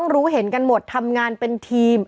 หลากหลายรอดอย่างเดียว